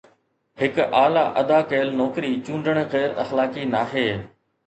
هڪ اعلي ادا ڪيل نوڪري چونڊڻ غير اخلاقي ناهي